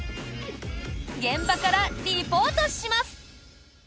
現場からリポートします！